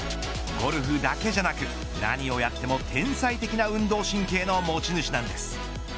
ゴルフだけじゃなく何をやっても天才的な運動神経の持ち主なんです。